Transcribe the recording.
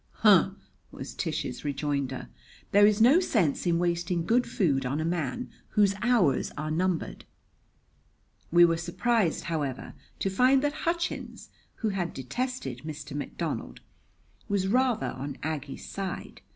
"Huh!" was Tish's rejoinder. "There is no sense is wasting good food on a man whose hours are numbered." We were surprised, however, to find that Hutchins, who had detested Mr. McDonald, was rather on Aggie's side.